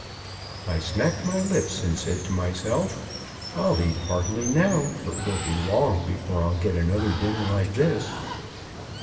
I smacked my lips and said to myself: "I'll eat heartily now, for it'll be long before I'll get another dinner like this."